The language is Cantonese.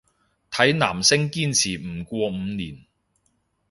睇男星堅持唔過五年